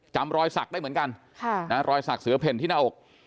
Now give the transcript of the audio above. รอยสักได้เหมือนกันรอยสักเสือเพ่นที่หน้าอก